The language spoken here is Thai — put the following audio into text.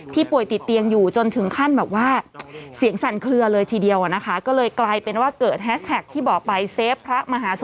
ป่วยติดเตียงอยู่จนถึงขั้นแบบว่าเสียงสั่นเคลือเลยทีเดียวนะคะ